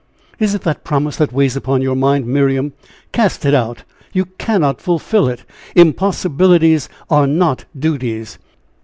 "Is it that promise that weighs upon your mind, Miriam? Cast it out; you cannot fulfill it; impossibilities are not duties."